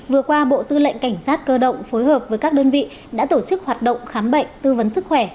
vừa qua bộ tư lệnh cảnh sát cơ động phối hợp với các đơn vị đã tổ chức hoạt động khám bệnh tư vấn sức khỏe